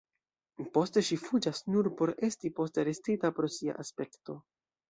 Poste ŝi fuĝas, nur por esti poste arestita pro sia aspekto.